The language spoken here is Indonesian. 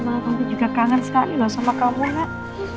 mama tante juga kangen sekali loh sama kamu mak